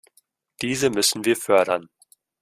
Diese müssen wir fördern.